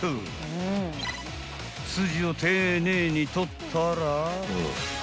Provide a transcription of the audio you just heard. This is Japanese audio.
［筋を丁寧に取ったら］